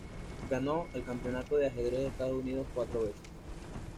Ganó el Campeonato de ajedrez de Estados Unidos cuatro veces.